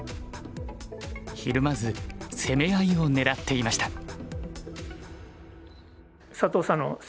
ひるまず攻め合いを狙っていました。